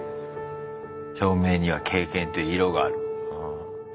「照明には『経験』という色がある」。